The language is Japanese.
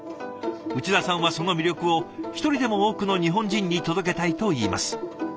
内田さんはその魅力を一人でも多くの日本人に届けたいといいます。